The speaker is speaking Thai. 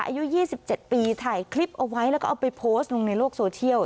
อายุ๒๗ปีถ่ายคลิปเอาไว้แล้วก็เอาไปโพสต์ลงในโลกโซเชียล